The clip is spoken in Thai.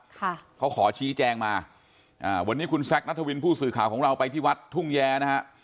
ค่ะเขาขอชี้แจงมาอ่าวันนี้คุณแซคนัทวินผู้สื่อข่าวของเราไปที่วัดทุ่งแย้นะฮะ